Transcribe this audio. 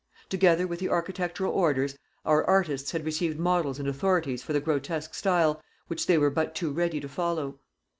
Together with the architectural orders, our artists had received models and authorities for the grotesque style, which they were but too ready to follow.